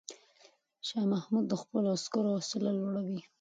شاه محمود د خپلو عسکرو حوصله لوړوي.